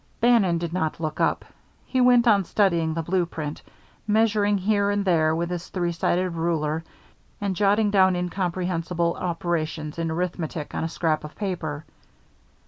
Bannon did not look up; he went on studying the blue print, measuring here and there with his three sided ruler and jotting down incomprehensible operations in arithmetic on a scrap of paper.